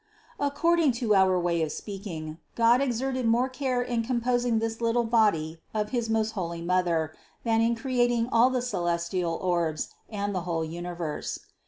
According to our way of speaking, God exerted more care in composing this little body of his most holy Mother, than in creating all the celestial orbs and the whole universe.